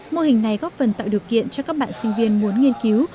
mô hình này góp phần tạo điều kiện cho các bạn sinh viên muốn nghiên cứu